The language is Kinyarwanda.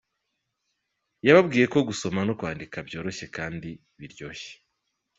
Yababwiye ko gusoma no kwandika byoroshye kandi biryoshye.